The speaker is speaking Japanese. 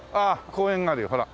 公園があるよほら。